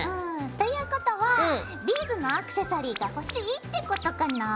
ということはビーズのアクセサリーが欲しいってことかなぁ？